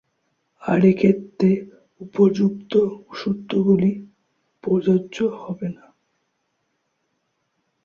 আর এক্ষেত্রে উপর্যুক্ত সূত্রগুলো প্রযোজ্য হবে না।